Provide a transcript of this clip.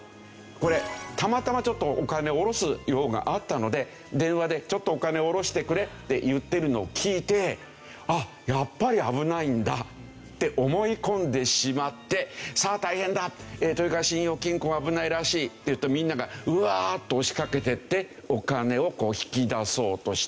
これたまたまちょっとお金をおろす用があったので電話でちょっとお金をおろしてくれって言ってるのを聞いて「あっやっぱり危ないんだ」って思い込んでしまって「さあ大変だ！豊川信用金庫が危ないらしい」っていうとみんながワッと押しかけていってお金を引き出そうとしたというわけです。